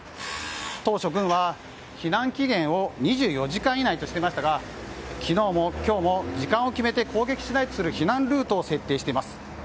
当初、軍は避難期限を２４時間以内としていましたが昨日も今日も時間を決めて攻撃しないとする避難ルートを設定しています。